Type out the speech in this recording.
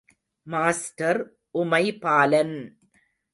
Master Umaibalan!